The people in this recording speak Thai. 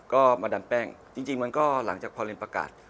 ก็มาดันแป้งจริงมันก็หลังจากพอเรียนประกาศ